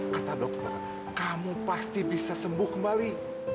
kata dokter kamu pasti bisa sembuh kembali